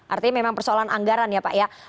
artinya memang persoalan anggaran ya pak ya